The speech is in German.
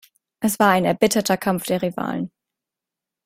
Es war ein erbitterter Kampf der Rivalen.